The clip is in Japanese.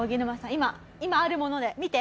今今あるもので見て。